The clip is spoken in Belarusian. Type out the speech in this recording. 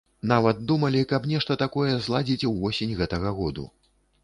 Нават думалі, каб нешта такое зладзіць ўвосень гэтага году.